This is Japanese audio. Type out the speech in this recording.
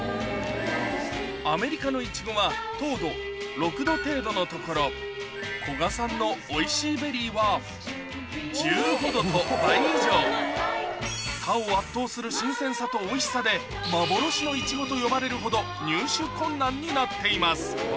アメリカのいちごが糖度６度程度のところ古賀さんのＯｉｓｈｉｉＢｅｒｒｙは１５度と倍以上他を圧倒する新鮮さとおいしさで幻のいちごと呼ばれるほど入手困難になっています